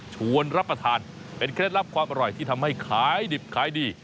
ชวนรับประทานเป็นเคล็ดลับความอร่อยที่ทำให้ขายดิบขายดี